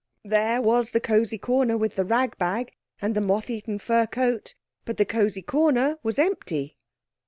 There was the cosy corner with the rag bag, and the moth eaten fur coat—but the cosy corner was empty.